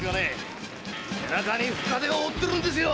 背中に深手を負ってるんですよ。